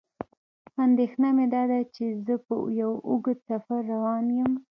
اندېښنه مې داده چې زه په یو اوږد سفر روان یم.